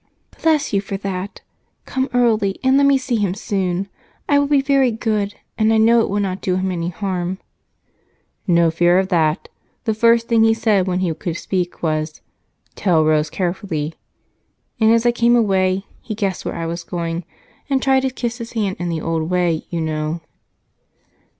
"Bless you for that! Come early, and let me see him soon. I will be very good, and I know it will not do him any harm." "No fear of that. The first thing he said when he could speak was 'Tell Rose carefully,' and as I came away he guessed where I was going and tried to kiss his hand in the old way, you know."